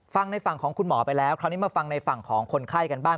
ฟังในฝั่งของคุณหมอไปแล้วคราวนี้มาฟังในฝั่งของคนไข้กันบ้าง